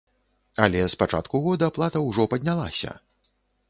Але з пачатку года плата ўжо паднялася!